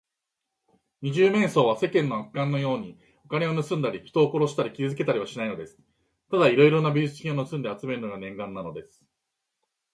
二十面相は、世間の悪漢のように、お金をぬすんだり、人を殺したり、傷つけたりはしないのです。ただいろいろな美術品をぬすみあつめるのが念願なのです。